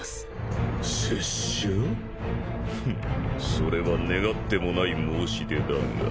それは願ってもない申し出だが。